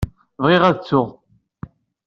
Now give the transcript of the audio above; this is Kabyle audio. Bɣiɣ ad tteɣ